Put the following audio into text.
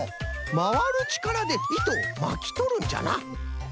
まわるちからでいとをまきとるんじゃな。